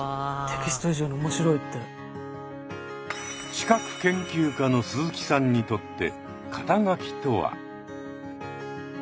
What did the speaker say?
資格研究家の鈴木さんにとって肩書とは。